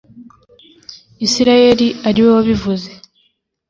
Isirayeli ari we wabivuze